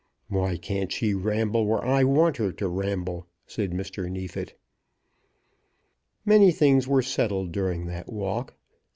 "Why can't she ramble where I want her to ramble?" said Mr. Neefit. Many things were settled during that walk.